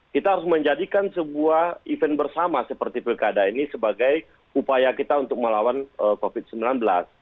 kita harus menjadikan sebuah event bersama seperti pilkada ini sebagai upaya kita untuk melawan covid sembilan belas